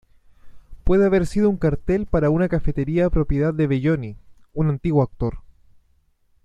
Puede haber sido un cartel para una cafetería propiedad de Belloni, un antiguo actor.